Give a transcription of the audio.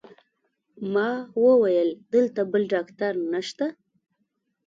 ما وویل: دلته بل ډاکټر نشته؟